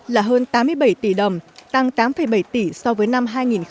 là hơn tám mươi bảy tỷ đồng tăng tám bảy tỷ so với năm hai nghìn một mươi bảy